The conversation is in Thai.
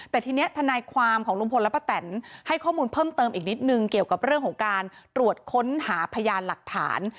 แต่ทีนี้ทนายความของลุงพลและป้าแตนให้ข้อมูลเพิ่มเติมอีกนิดนึงเกี่ยวกับเรื่องของการตรวจค้นหาพยานหลักฐาน